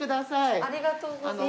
ありがとうございます。